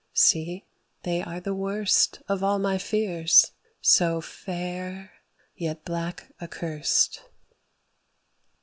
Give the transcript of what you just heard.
See! they are the worst Of all my fears; so fair yet black accurst.